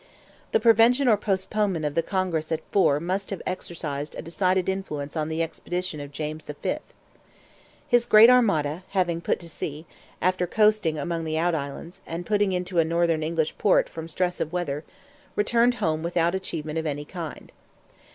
The prevention or postponement of the Congress at Fore must have exercised a decided influence on the expedition of James V. His great armada having put to sea, after coasting among the out islands, and putting into a northern English port from stress of weather, returned home without achievement of any kind.